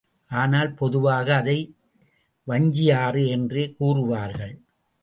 ஆனால், பொதுவாக அதை வஞ்சியாறு என்றே கூறுவார்கள்.